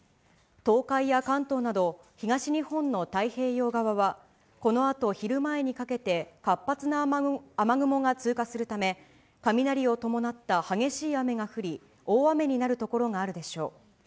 東海や関東など東日本の太平洋側は、このあと昼前にかけて活発な雨雲が通過するため、雷を伴った激しい雨が降り、大雨になる所があるでしょう。